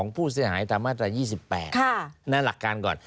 ผู้เสียหายตามมาตรา๒๘นั่นหลักการก่อน